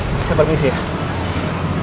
pak saya permisi ya